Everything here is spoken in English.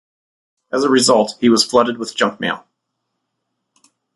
As a result, he was flooded with junk mail.